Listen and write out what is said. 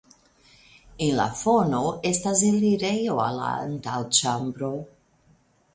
En la fono estas elirejo al la antaŭĉambro.